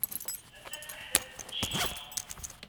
Atta lmeḥna deg uqcic-a!